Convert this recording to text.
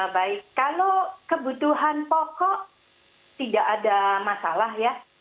baik kalau kebutuhan pokok tidak ada masalah ya